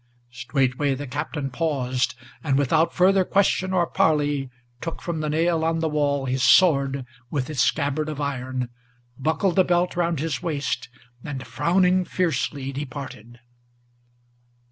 Straightway the Captain paused, and, without further question or parley, Took from the nail on the wall his sword with its scabbard of iron, Buckled the belt round his waist, and, frowning fiercely, departed.